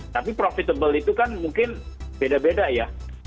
tapi profitable itu kan mungkin beda beda ya